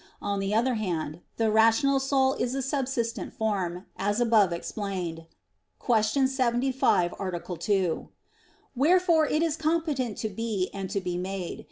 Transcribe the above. On the other hand, the rational soul is a subsistent form, as above explained (Q. 75, A. 2). Wherefore it is competent to be and to be made.